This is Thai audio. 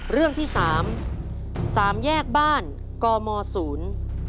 เรื่องที่สามสามแยกบ้านกมศูนย์